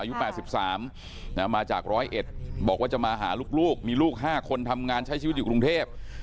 คุณตามาหาลูกมีลูก๕คนทำงานใช้ชีวิตอยู่กรุงเทพฯ